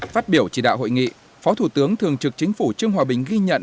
phát biểu chỉ đạo hội nghị phó thủ tướng thường trực chính phủ trương hòa bình ghi nhận